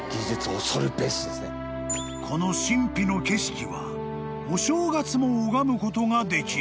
［この神秘の景色はお正月も拝むことができる］